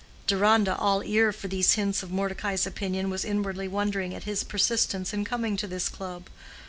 Deronda, all ear for these hints of Mordecai's opinion, was inwardly wondering at his persistence in coming to this club.